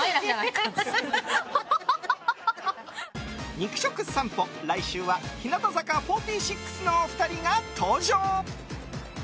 肉食さんぽ、来週は日向坂４６のお二人が登場。